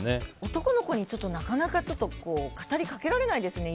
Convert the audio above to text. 男の子に、なかなか語りかけられないですよね。